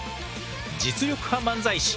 実力派漫才師。